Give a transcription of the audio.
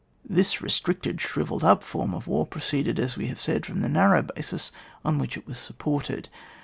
This restricted, shrivelled up form of war proceeded, as we have said, from the narrow basis on which it was supported.